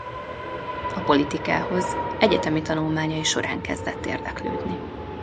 A politikához egyetemi tanulmányai során kezdett érdeklődni.